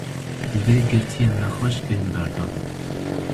Divê girtiyên nexweş bên berdan.